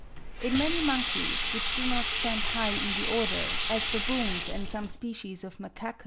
In many monkeys, which do not stand high in the order, as baboons and some species of macacus (32.